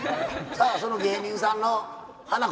さあその芸人さんの花子さん。